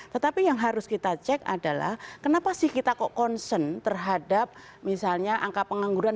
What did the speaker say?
tetapi yang harus kita cek adalah kenapa sih kita kok concern terhadap misalnya angka pengangguran